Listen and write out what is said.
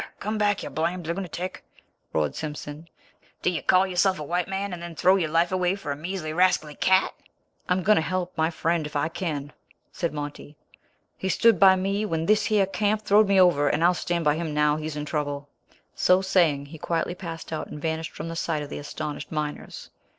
Come back, you blamed lunatic!" roared Simpson. "Do you call yourself a white man, and then throw your life away for a measly, rascally cat?" "I am going to help my friend if I kin," said Monty. "He stood by me when thishyer camp throwed me over, and I'll stand by him now he's in trouble." So saying he quietly passed out and vanished from the sight of the astonished miners.